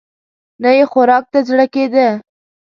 نه يې خوراک ته زړه کېده.